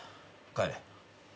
帰れ。